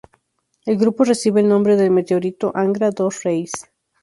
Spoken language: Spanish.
El grupo recibe el nombre del meteorito Angra dos Reis.